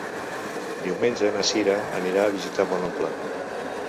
Diumenge na Sira anirà a visitar mon oncle.